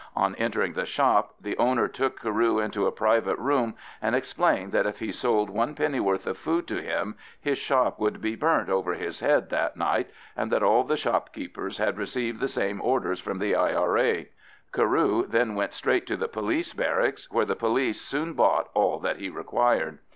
On entering the shop the owner took Carew into a private room, and explained that if he sold one pennyworth of food to him his shop would be burnt over his head that night, and that all the shopkeepers had received the same orders from the I.R.A. Carew then went straight to the police barracks, where the police soon bought all that he required.